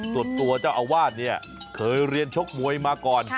ส่วนตัวเจ้าอาวาลเขาเรียนชกมวยมาก่อน